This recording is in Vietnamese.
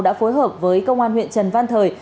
đã phối hợp với công an huyện trần văn thời